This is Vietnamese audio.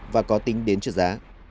và có tính đến trợ giá